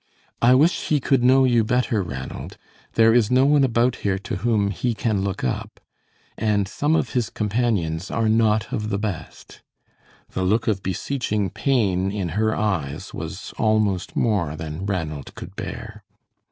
"I wish he could know you better, Ranald. There is no one about here to whom he can look up, and some of his companions are not of the best." The look of beseeching pain in her eyes was almost more than Ranald could bear.